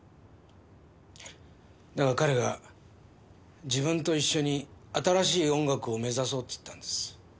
だが彼が自分と一緒に新しい音楽を目指そうって言ったんです。